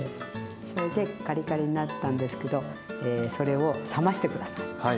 それでカリカリになったんですけどそれを冷まして下さい。